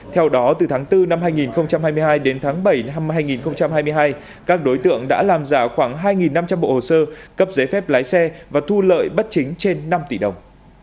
theo đó từ tháng bốn năm hai nghìn hai mươi hai đến tháng bảy năm hai nghìn hai mươi hai các đối tượng đã làm giả khoảng hai năm trăm linh bộ hồ sơ cấp giấy phép lái xe và thu lợi bất chính trên năm tỷ đồng